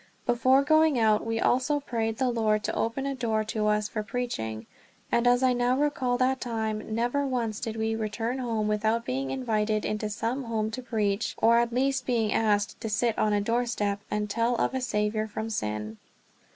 Before going out we always prayed the Lord to open a door to us for preaching. And as I now recall that time, never once did we return home without being invited into some home to preach, or at least being asked to sit on a doorstep and tell of a Saviour from sin.